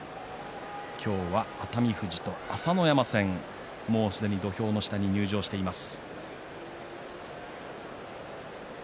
今日は熱海富士、朝乃山戦もうすでに土俵の下に入場しています。